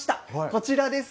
こちらです。